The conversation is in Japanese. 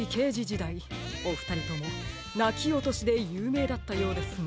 いおふたりともなきおとしでゆうめいだったようですね。